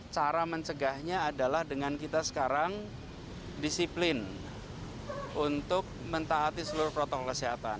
cara mencegahnya adalah dengan kita sekarang disiplin untuk mentaati seluruh protokol kesehatan